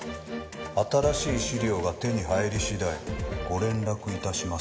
「新しい資料が手に入り次第ご連絡いたします」